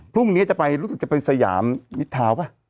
พรุ่งนี้จะไปรู้สึกจะเป็นสยามมิดทาวน์ป่ะ